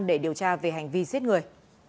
để điều tra về hành vi giết người